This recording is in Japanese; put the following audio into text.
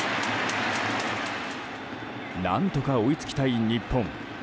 何とか追いつきたい日本。